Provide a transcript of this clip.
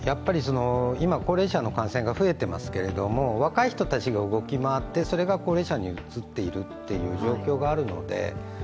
今、高齢者の感染が増えていますけれども、若い人たちが動き回ってそれが高齢者にうつっているという状況があるので。